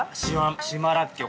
◆島らっきょう。